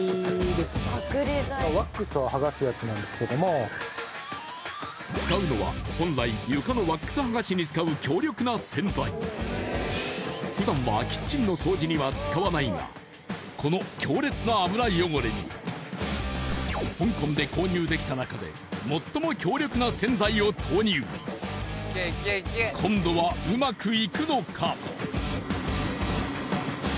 あー使うのは本来床のワックス剥がしに使う強力な洗剤ふだんはこの強烈な油汚れに香港で購入できた中で最も強力な洗剤を投入今度はうまくいくのか？